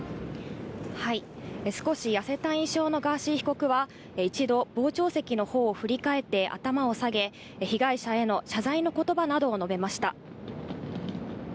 少し痩せた印象のガーシー被告は、一度、傍聴席のほうを振り返って頭を下げ、被害者への謝罪のことばなどを述べました。